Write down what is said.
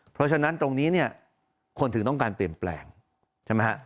เพราะฉะนั้นตรงนี้เนี่ยคนถึงต้องการเปลี่ยนแปลงใช่ไหมฮะ